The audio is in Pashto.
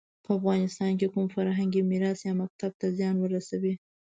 په افغانستان کې کوم فرهنګي میراث یا مکتب ته زیان ورسوي.